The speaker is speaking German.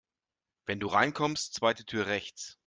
Wenn du reinkommst, zweite Tür rechts.